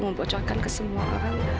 membocorkan ke semua orang